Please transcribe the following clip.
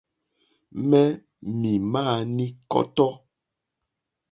Mɛ̄ mì màá ní kɔ́tɔ́.